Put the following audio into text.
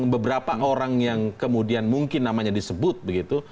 beberapa orang yang kemudian mungkin namanya disebut begitu